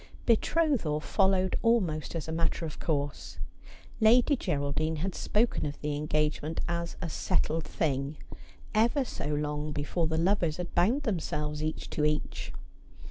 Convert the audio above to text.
Betrothal followed almost as a matter of course. Lady G eraldine had spoken of the engagement as a settled thing, ever so long before the lovers had bound themselves each to each.